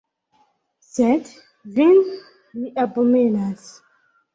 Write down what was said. Sed vin mi abomenas.